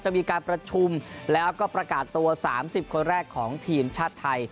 มีการประชุมแล้วก็ประกาศตัว๓๐คนแรกของทีมชาติไทย